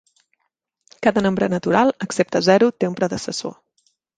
Cada nombre natural, excepte zero, té un predecessor.